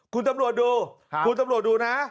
คุณตำรวจดูนะ